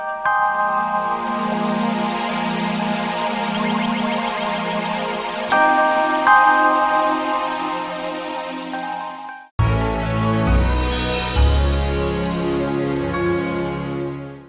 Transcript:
nanti jantung mau copot dari